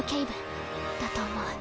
だと思う。